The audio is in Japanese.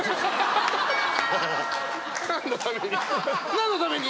何のために？